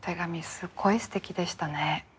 すっごいすてきでしたね。